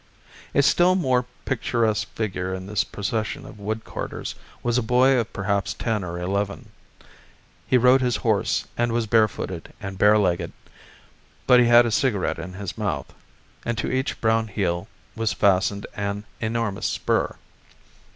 A still more picturesque figure in this procession of wood carters was a boy of perhaps ten or eleven. He rode his horse, and was barefooted and barelegged; but he had a cigarette in his mouth, and to each brown heel was fastened an enormous spur.